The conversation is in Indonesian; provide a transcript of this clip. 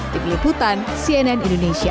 dikeliputan cnn indonesia